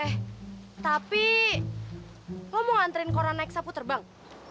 eh tapi lo mau nganturin koran naik sapu terbang